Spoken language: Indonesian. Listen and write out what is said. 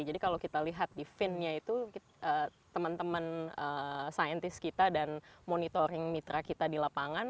jadi kalau kita lihat di finnya itu teman teman saintis kita dan monitoring mitra kita di lapangan